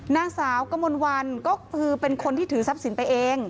นางสาวกมลวันก็คือเป็นคนที่ถือทรัพย์สินไปเอง